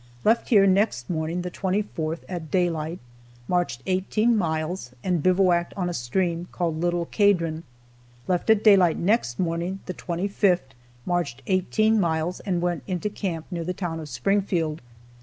Left here next morning (the 24th) at daylight, marched 18 miles, and bivouacked on a stream called Little Cadron. Left at daylight next morning (the 25th), marched 18 miles, and went into camp near the town of Springfield.